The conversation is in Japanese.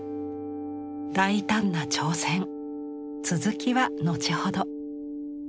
大胆な挑戦続きは後ほど。